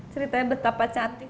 ceritanya betapa cantik